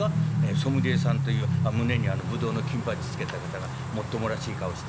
ソムリエさんという胸にぶどうの金バッジつけた方がもっともらしい顔して。